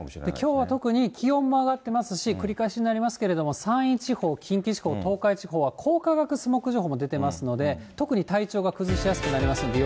きょうは特に、気温も上がっていますし、繰り返しになりますけれども、山陰地方、近畿地方、東海地方は、光化学スモッグ情報も出てますので、特に体調が崩しやすくなりま